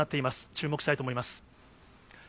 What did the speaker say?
注目したいと思います。